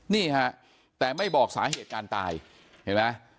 นี่ฮะแต่ไม่บอกสาเหตุการตายเห็นไหม